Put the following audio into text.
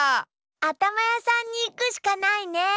あたまやさんにいくしかないね！